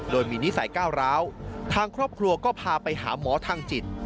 โดยมีนิสัยก้าวร้าวทางครอบครัวก็พาไปหาหมอทางจิต